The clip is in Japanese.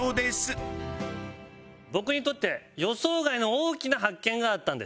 僕にとって予想外の大きな発見があったんです。